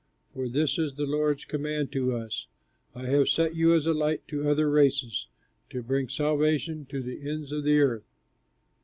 For this is the Lord's command to us: 'I have set you as a light to other races, to bring salvation to the ends of the earth.'"